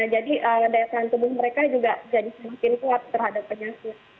jadi daya tahan tubuh mereka juga jadi semakin kuat terhadap penyakit